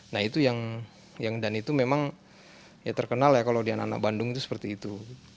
nah itu yang dan itu memang ya terkenal ya kalau di anak anak bandung itu seperti itu